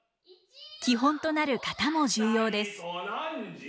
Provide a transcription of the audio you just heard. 基本となる型も重要です。